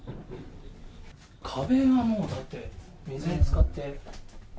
壁がもう、だって水につかって。